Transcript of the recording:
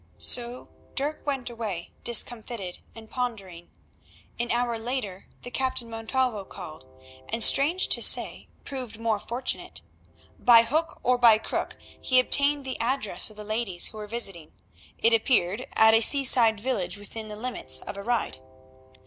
So Dirk went away discomfited and pondering. An hour later the Captain Montalvo called, and strange to say proved more fortunate. By hook or by crook he obtained the address of the ladies, who were visiting, it appeared, at a seaside village within the limits of a ride.